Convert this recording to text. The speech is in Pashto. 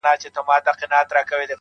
پاگل دي د غم سونډې پر سکروټو ايښي,